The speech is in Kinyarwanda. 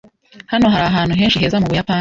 Hano hari ahantu henshi heza mubuyapani.